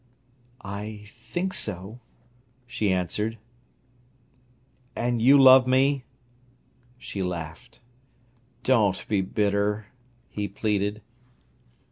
"I think so," she answered. "And you love me?" She laughed. "Don't be bitter," he pleaded.